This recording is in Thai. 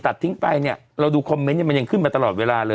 ตัดทิ้งไปเนี่ยเราดูคอมเมนต์เนี่ยมันยังขึ้นมาตลอดเวลาเลย